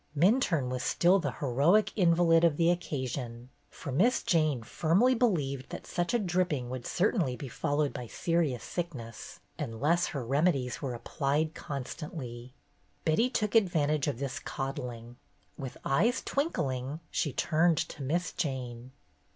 Minturne was still the heroic invalid of the occasion, for Miss Jane firmly believed that such a dripping would certainly be followed by seri ous sickness unless her remedies were applied constantly. Betty took advantage of this coddling. With eyes twinkling, she turned to Miss Jane.